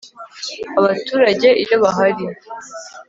abaturage iyo bahari